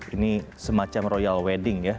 ini semacam royal wedding ya